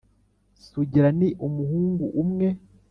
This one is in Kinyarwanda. Sugira ni umuhungu umwe